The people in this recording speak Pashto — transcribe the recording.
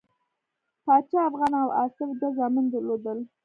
پاچا افغان او آصف دوه زامن درلودل.